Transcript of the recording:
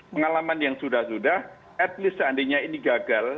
pengalaman yang sudah sudah at least seandainya ini gagal